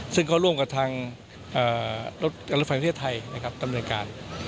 ซึ่งก็ร่วมกับทางรถไฟมนตรีว่าไทยตำเนินการ